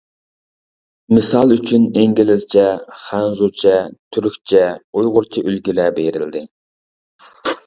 مىسال ئۈچۈن ئىنگلىزچە، خەنزۇچە، تۈركچە، ئۇيغۇرچە ئۈلگىلەر بېرىلدى.